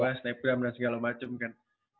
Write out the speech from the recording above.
wah snapgram dan segala macem kan